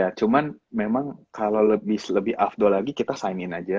ya cuman memang kalau lebih afdol lagi kita sign in aja